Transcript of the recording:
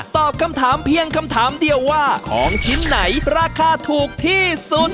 ตอบคำถามเพียงคำถามเดียวว่าของชิ้นไหนราคาถูกที่สุด